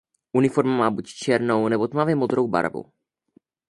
Uniforma má buď černou nebo tmavě modrou barvu.